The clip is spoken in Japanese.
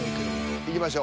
いきましょう。